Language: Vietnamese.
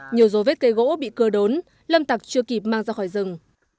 nhiều dấu vết cây gỗ bị cưa đốn lâm tặc chưa kịp mang ra khỏi rừng